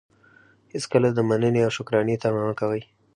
هېڅکله د منني او شکرانې طمعه مه کوئ!